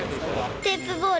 テープボール。